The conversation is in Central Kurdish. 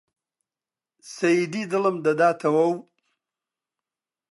سەیدی دڵم دەداتەوە و